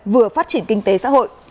vừa phát triển kinh tế xã hội